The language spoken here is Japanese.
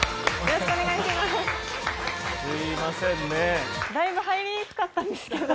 よろしくお願いします。